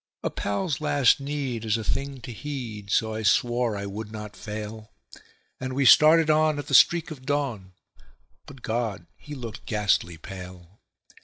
A pal's last need is a thing to heed, so I swore I would not fail; And we started on at the streak of dawn; but God! he looked ghastly pale.